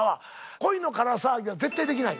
「恋のから騒ぎ」は絶対できない。